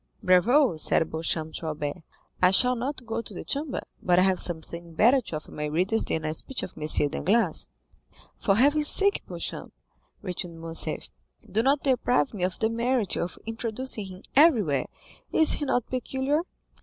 "Bravo," said Beauchamp to Albert; "I shall not go to the Chamber, but I have something better to offer my readers than a speech of M. Danglars." "For heaven's sake, Beauchamp," returned Morcerf, "do not deprive me of the merit of introducing him everywhere. Is he not peculiar?"